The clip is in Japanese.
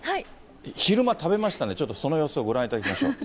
昼間、食べましたんで、ちょっとその様子をご覧いただきましょう。